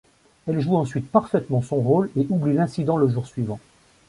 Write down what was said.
Elle joue ensuite parfaitement son rôle et oublie l'incident le jour suivant.